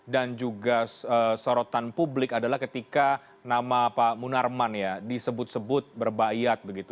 dan juga sorotan publik adalah ketika nama pak munarman ya disebut sebut berbaikat begitu